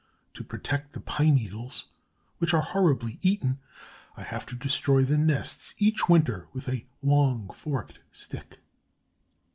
To protect the pine needles, which are horribly eaten, I have to destroy the nests each winter with a long forked stick.